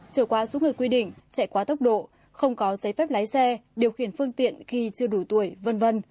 trở qua số người quy định chạy quá tốc độ không có giấy phép lái xe điều khiển phương tiện khi chưa đủ tuổi v v